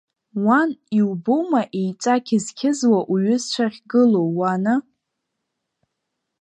Уан, иубома, еиҵақьызқьызуа уҩызцәа ахьгылоу, уана?